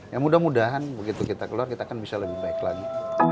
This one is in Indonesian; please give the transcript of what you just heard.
ya mudah mudahan begitu kita keluar kita akan bisa lebih baik lagi